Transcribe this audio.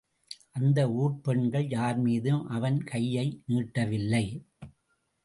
அந்த ஊர்ப்பெண்கள் யார்மீதும் அவன் கையை நீட்டவில்லை.